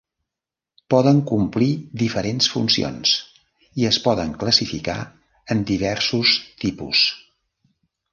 Poden complir diferents funcions i es poden classificar en diversos tipus.